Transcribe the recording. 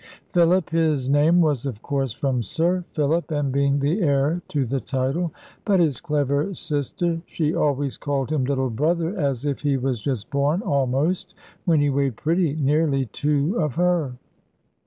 Philip his name was, of course, from Sir Philip, and being the heir to the title; but his clever sister she always called him 'little brother,' as if he was just born almost, when he weighed pretty nearly two of her.